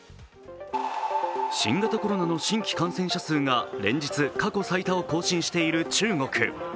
新型コロナの新規感染者数が連日、過去最多を更新している中国。